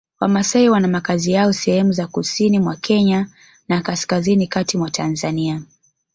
Wamasai wana makazi yao sehemu za Kusini mwa Kenya na Kaskazini kati mwa Tanzania